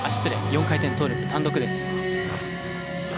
４回転トーループ単独です。